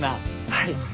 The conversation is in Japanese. はい。